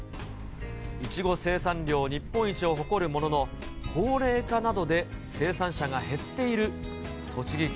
イチゴ生産量日本一を誇るものの、高齢化などで生産者が減っている栃木県。